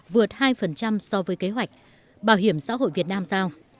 vượt hai so với kế hoạch bảo hiểm xã hội việt nam giao